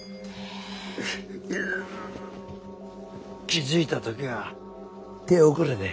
気付いた時には手遅れで。